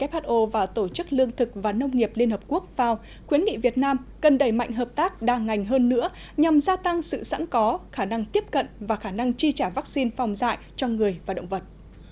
tổ chức y tế thế giới who và tổ chức lương thực và nông nghiệp liên hợp quốc vào khuyến nghị việt nam cần đẩy mạnh hơn nữa nhằm gia tăng sự sẵn có khả năng tiếp cận và khả năng chi trả vaccine phòng dạy cho người và động vật